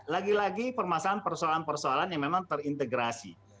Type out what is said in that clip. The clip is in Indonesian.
lagi lagi permasalahan persoalan persoalan yang memang terintegrasi